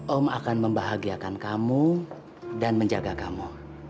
om akan membahagiakan kamu dan menjaga kamu